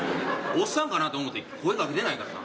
おっさんかなと思うて声かけてないからな。